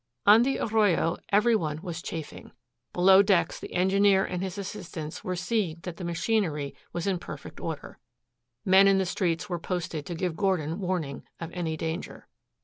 On the Arroyo every one was chafing. Below decks, the engineer and his assistants were seeing that the machinery was in perfect order. Men in the streets were posted to give Gordon warning of any danger.